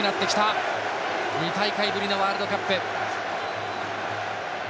アメリカは２大会ぶりのワールドカップ。